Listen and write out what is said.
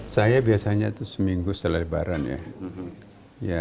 saya biasanya itu seminggu setelah lebaran ya